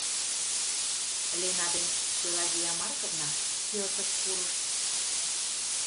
Лена ден Пелагея Марковна пӧртыш пурышт.